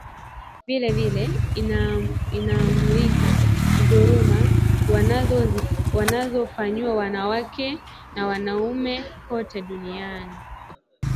Vilievile, inamulika dhuluma wanazofanyiwa wanawake na wanaume kote duniani